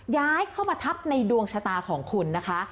ย้ายเข้ามาทับในดวงชะตาของคุณนะคะ